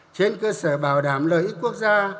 trên cơ sở bảo đảm lợi ích quốc gia